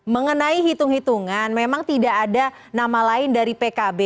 mengenai hitung hitungan memang tidak ada nama lain dari pkb